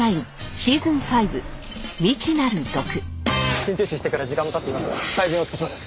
心停止してから時間も経っていますが最善を尽くします。